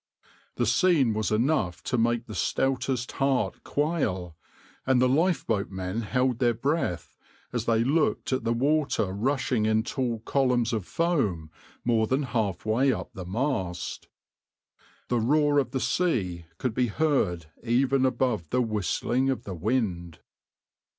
The scene was enough to make the stoutest heart quail, and the lifeboatmen held their breath as they looked at the water rushing in tall columns of foam more than half way up the mast. The roar of the sea could be heard even above the whistling of the wind.